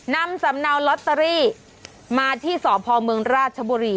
นำสำเนาลอตเตอรี่มาที่สพเมืองราชบุรี